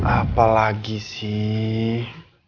apa lagi sih